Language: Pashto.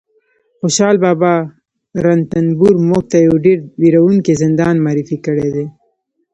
خوشحال بابا رنتنبور موږ ته یو ډېر وېروونکی زندان معرفي کړی دی